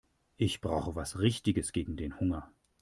Ich brauche was Richtiges gegen den Hunger.